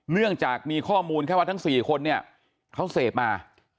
เนื่องจากมีข้อมูลแค่ว่าทั้ง๔คนเนี่ยเขาเสพมา